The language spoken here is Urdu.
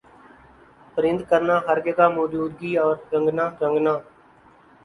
پرند کرنا ہَر جگہ موجودگی اور رنگنا رنگنا